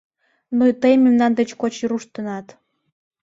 — Но тый мемнан деч коч руштынат.